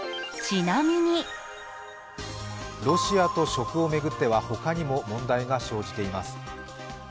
ロシアと食を巡ってはほかにも問題が生じています。